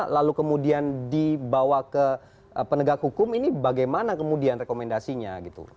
lalu kemudian dibawa ke penegak hukum ini bagaimana kemudian rekomendasinya gitu